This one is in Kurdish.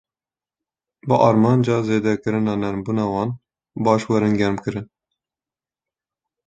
Bi armanca zêdekirina nermbûna wan, baş werin germkirin.